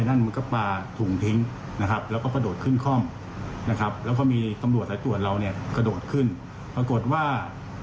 ในการไหล่ติดตามคนร้ายนะครับ